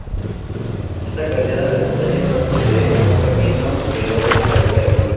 Esta cadena de montañas no posee ningún camino que logre atravesarla.